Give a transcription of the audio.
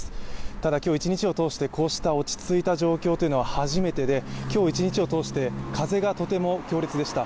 ただ、今日１日を通してこうした落ち着いた状況というのは初めてで今日一日を通して、風がとても強烈でした。